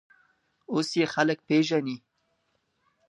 اوس یې خلک پېژني.